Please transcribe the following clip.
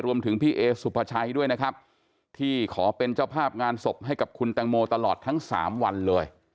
พี่เอสุภาชัยด้วยนะครับที่ขอเป็นเจ้าภาพงานศพให้กับคุณแตงโมตลอดทั้ง๓วันเลย